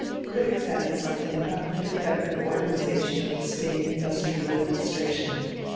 Critics added something about defective organization of the State industrial administration.